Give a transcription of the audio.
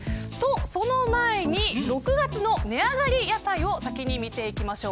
その前に、６月の値上がり野菜を先に見ていきましょう。